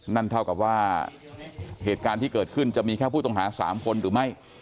นั่นเท่ากับว่าเหตุการณ์ที่เกิดขึ้นจะมีแค่ผู้ต้องหา๓คนหรือไม่